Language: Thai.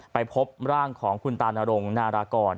ไปพบร่างของคุณตานรงนารากร